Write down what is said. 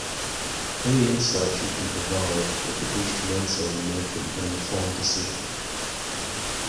Any insights you can provide would be instrumental in making an informed decision.